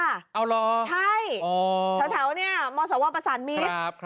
เอาเหรอใช่แถวเนี่ยมศวประสานมิตร